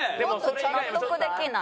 納得できない。